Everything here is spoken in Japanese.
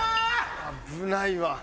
危ないわ。